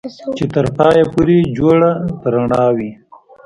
چې تر پايه پورې جوړه په رڼا وي